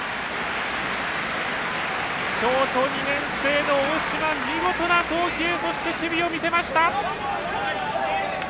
ショート２年生の大島見事な送球そして、守備を見せました！